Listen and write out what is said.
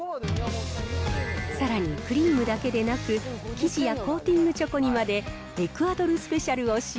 さらに、クリームだけでなく、生地やコーティングチョコにまでエクアドルスペシャルを使用。